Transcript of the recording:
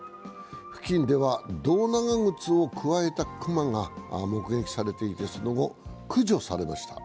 付近では胴長靴を加えた熊が目撃されていてその後、駆除されました。